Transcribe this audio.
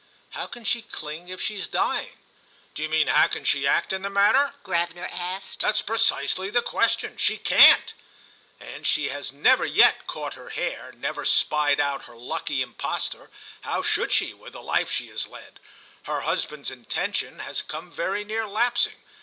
"How can she cling if she's dying?" "Do you mean how can she act in the matter?" Gravener asked. "That's precisely the question. She can't! As she has never yet caught her hare, never spied out her lucky impostor—how should she, with the life she has led?—her husband's intention has come very near lapsing.